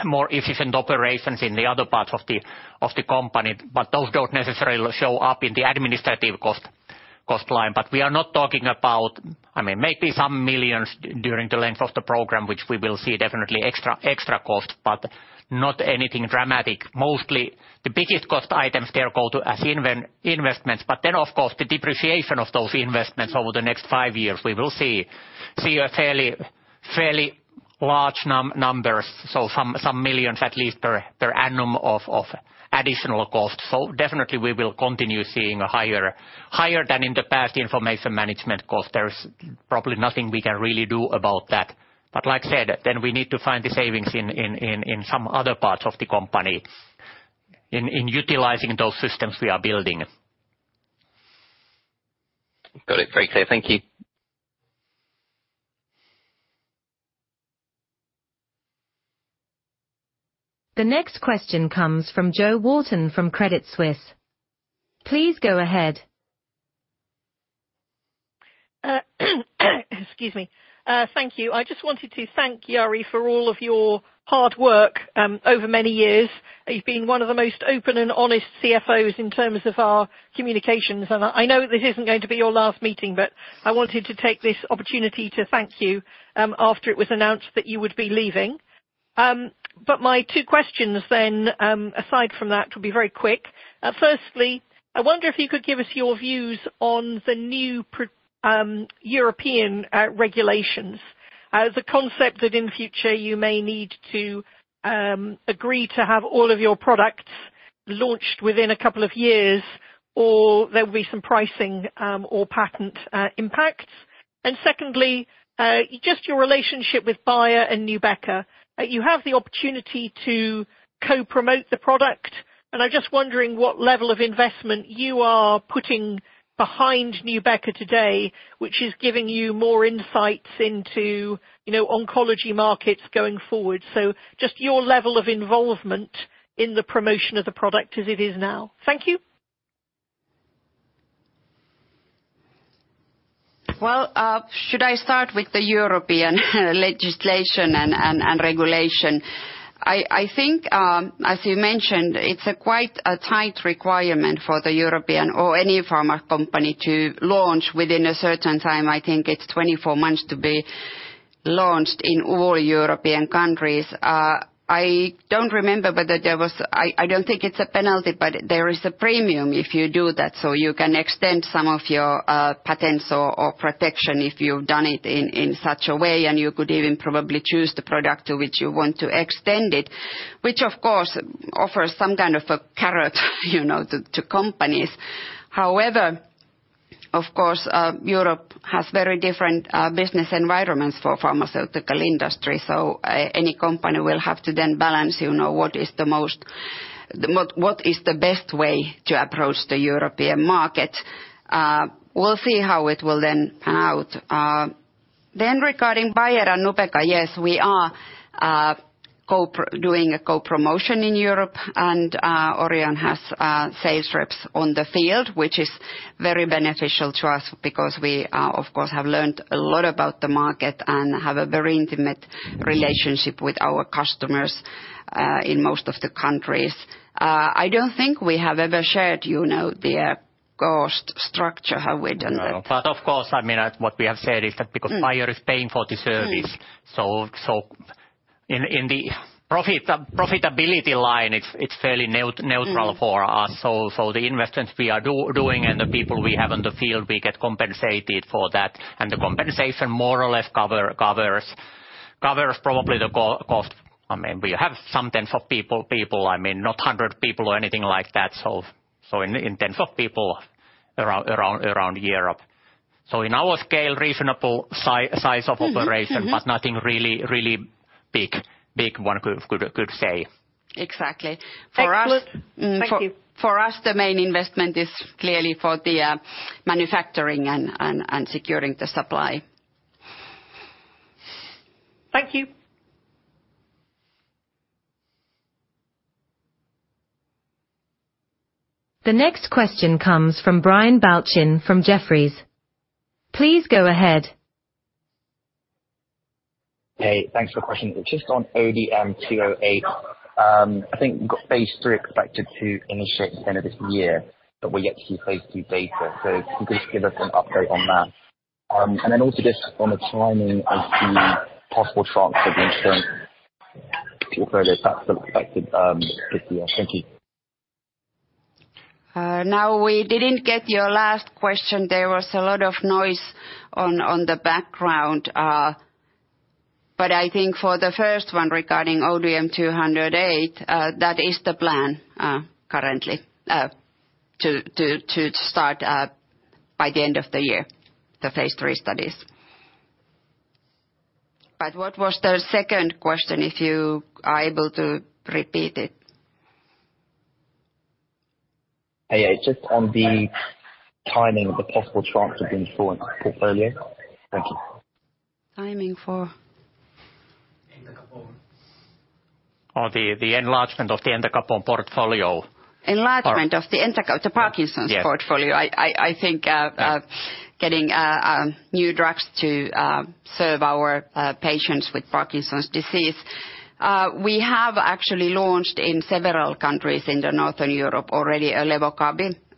more efficient operations in the other parts of the company, but those don't necessarily show up in the administrative cost line. We are not talking about... I mean, maybe some million during the length of the program, which we will see definitely extra costs, but not anything dramatic. Mostly, the biggest cost items, they're called as investments, then, of course, the depreciation of those investments over the next 5 years, we will see a fairly large numbers, so some million at least per annum of additional costs. Definitely we will continue seeing a higher than in the past information management cost. There is probably nothing we can really do about that. Like I said, then we need to find the savings in some other parts of the company, in utilizing those systems we are building. Got it. Very clear. Thank you. The next question comes from Jo Walton from Credit Suisse. Please go ahead. Excuse me. Thank you. I just wanted to thank Jari for all of your hard work, over many years. You've been one of the most open and honest CFOs in terms of our communications. I know this isn't going to be your last meeting, but I wanted to take this opportunity to thank you, after it was announced that you would be leaving. My two questions then, aside from that, will be very quick. Firstly, I wonder if you could give us your views on the new European regulations. As a concept that in future you may need to agree to have all of your products launched within a couple of years, or there will be some pricing or patent impacts. Secondly, just your relationship with Bayer and NUBEQA. You have the opportunity to co-promote the product, and I'm just wondering what level of investment you are putting behind NUBEQA today, which is giving you more insights into, you know, oncology markets going forward. So just your level of involvement in the promotion of the product as it is now. Thank you. Well, should I start with the European legislation and regulation? I think, as you mentioned, it's a quite a tight requirement for the European or any pharma company to launch within a certain time. I think it's 24 months to be launched in all European countries. I don't remember whether there was. I don't think it's a penalty, but there is a premium if you do that. You can extend some of your patents or protection if you've done it in such a way, and you could even probably choose the product to which you want to extend it. Of course, offers some kind of a carrot, you know, to companies. Of course, Europe has very different business environments for pharmaceutical industry. Any company will have to then balance, you know, what is the most, what is the best way to approach the European market. We'll see how it will then pan out. Regarding Bayer and NUBEQA, yes, we are doing a co-promotion in Europe, and Orion has sales reps on the field, which is very beneficial to us because we are, of course, have learned a lot about the market and have a very intimate relationship with our customers in most of the countries. I don't think we have ever shared, you know, their cost structure, have we, Jari? No. Of course, I mean, what we have said is that because Bayer is paying for the service, so in the profit, profitability line, it's fairly neutral for us. Mm-hmm. The investments we are doing and the people we have in the field, we get compensated for that. Mm-hmm. The compensation more or less covers probably the cost. I mean, we have some tens of people, I mean, not 100 people or anything like that, so in tens of people around Europe. In our scale, reasonable size of operation. Mm-hmm. Nothing really big, one could say. Exactly. Thank you. For us- Thank you. For us, the main investment is clearly for the manufacturing and securing the supply. Thank you. The next question comes from Brian Balchin from Jefferies. Please go ahead. Hey, thanks for the question. Just on ODM-208, I think you've got phase III expected to initiate at the end of this year, but we're yet to see phase II data. Can you just give us an update on that? Then also just on the timing of the possible transfer against current Thank you. Now, we didn't get your last question. There was a lot of noise on the background. I think for the first one, regarding ODM-208, that is the plan currently to start by the end of the year, the phase III studies. What was the second question, if you are able to repeat it? Hey, yeah, just on the timing of the possible transfer of the insurance portfolio. Thank you. Timing for? On the enlargement of the Entacapone portfolio. Enlargement of the entaca- the Parkinson's- Yes portfolio. I think getting new drugs to serve our patients with Parkinson's disease. We have actually launched in several countries in the Northern Europe already, a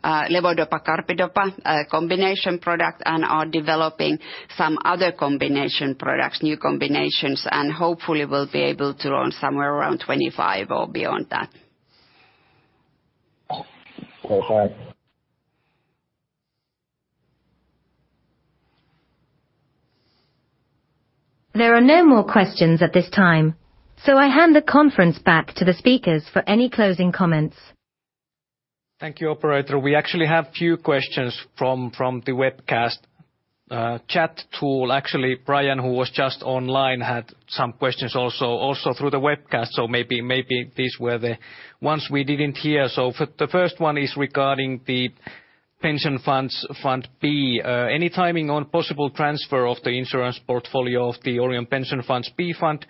levodopa/carbidopa combination product, and are developing some other combination products, new combinations, and hopefully we'll be able to launch somewhere around 2025 or beyond that. Okay. There are no more questions at this time, so I hand the conference back to the speakers for any closing comments. Thank you, operator. We actually have few questions from the webcast chat tool. Actually, Brian, who was just online, had some questions also through the webcast, so maybe these were the ones we didn't hear. The first one is regarding the pension funds, B fund. Any timing on possible transfer of the insurance portfolio of the Orion Pension Fund's B fund?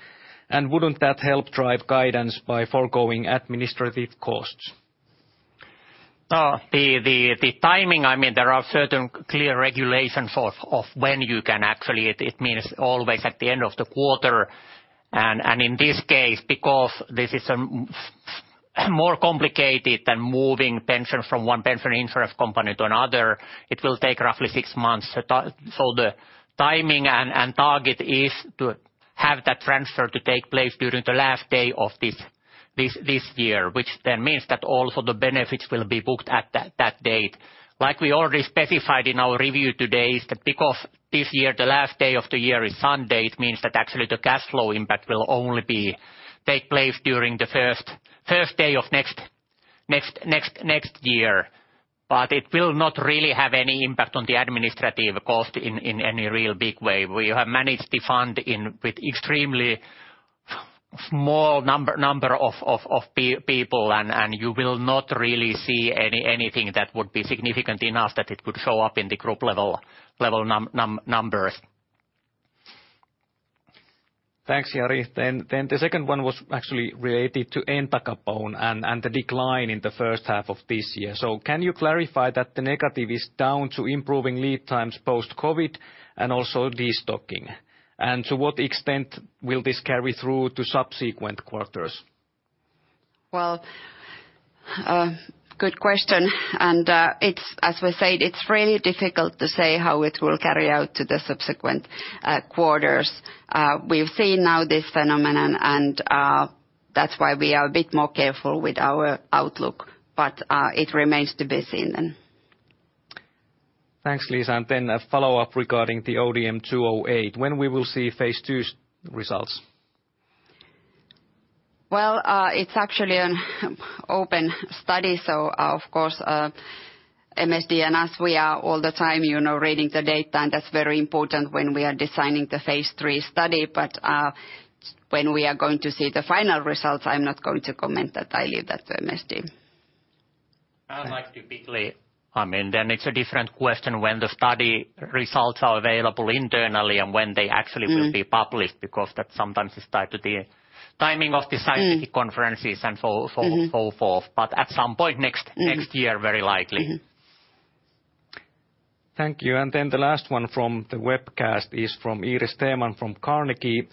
Wouldn't that help drive guidance by forgoing administrative costs? The timing, I mean, there are certain clear regulations of when you can actually. It means always at the end of the quarter. In this case, because this is more complicated than moving pension from one pension insurance company to another, it will take roughly six months. The timing and target is to have that transfer to take place during the last day of this year, which means that also the benefits will be booked at that date. Like we already specified in our review today, is that because this year, the last day of the year is Sunday, it means that actually the cashflow impact will only take place during the first day of next year. It will not really have any impact on the administrative cost in any real big way. We have managed the fund with extremely small number of people, and you will not really see anything that would be significant enough that it would show up in the group level numbers. Thanks, Jari. The second one was actually related to Entacapone and the decline in the first half of this year. Can you clarify that the negative is down to improving lead times post-COVID, and also destocking? To what extent will this carry through to subsequent quarters? Well, good question, and, As we said, it's really difficult to say how it will carry out to the subsequent quarters. We've seen now this phenomenon, and, that's why we are a bit more careful with our outlook, but, it remains to be seen then. Thanks, Liisa, and then a follow-up regarding the ODM-208. When we will see phase II results? It's actually an open study. Of course, MSD and us, we are all the time, you know, reading the data, and that's very important when we are designing the phase III study. When we are going to see the final results, I'm not going to comment that. I leave that to MSD. Thank you. Like, typically, I mean, then it's a different question, when the study results are available internally and when they... Mm will be published, because that sometimes is tied to the timing of the scientific conferences. Mm-hmm so forth. At some point Mm next year, very likely. Mm-hmm. Thank you. The last one from the webcast is from Iiris Theman from Carnegie.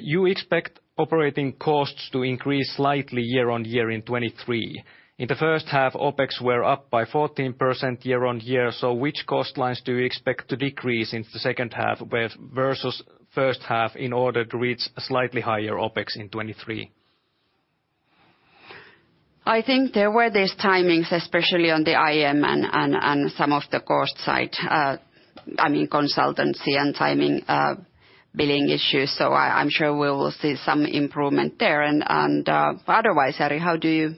You expect operating costs to increase slightly year on year in 2023. In the first half, OpEx were up by 14% year on year, which cost lines do you expect to decrease in the second half, where, versus first half, in order to reach a slightly higher OpEx in 2023? I think there were these timings, especially on the IM and some of the cost side, I mean, consultancy and timing, billing issues, so I'm sure we will see some improvement there. Otherwise, Jari, how do you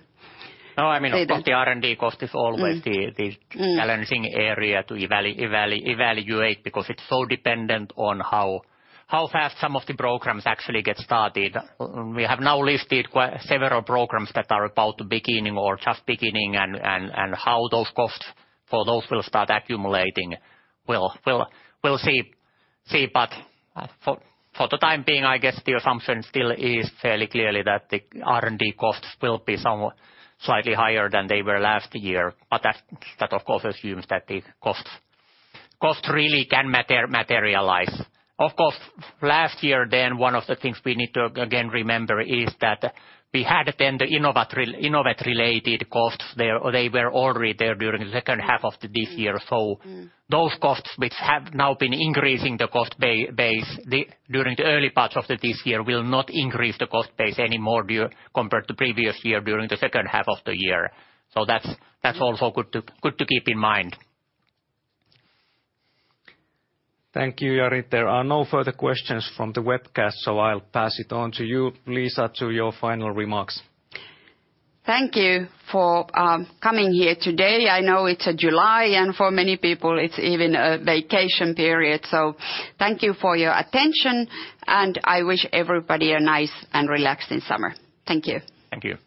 see that? No, I mean, of course, the R&D cost is always. Mm the challenging area to evaluate, because it's so dependent on how fast some of the programs actually get started. We have now listed quite several programs that are about to beginning or just beginning, and how those costs for those will start accumulating, we'll see. For the time being, I guess the assumption still is fairly clearly that the R&D costs will be somewhat slightly higher than they were last year. That of course, assumes that the costs really can materialize. Of course, last year, one of the things we need to again remember is that we had then the Innovative-related costs there. They were already there during the second half of this year. Mm, mm. Those costs, which have now been increasing the cost base during the early parts of this year, will not increase the cost base any more compared to previous year during the second half of the year. That's also good to keep in mind. Thank you, Jari. There are no further questions from the webcast, I'll pass it on to you, Liisa, to your final remarks. Thank you for coming here today. I know it's a July, and for many people it's even a vacation period, so thank you for your attention, and I wish everybody a nice and relaxing summer. Thank you. Thank you.